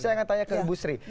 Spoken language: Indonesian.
saya ingin tanya ke ibu sri